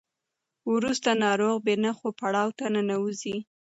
وروسته ناروغ بې نښو پړاو ته ننوځي.